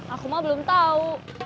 aku mah belum tau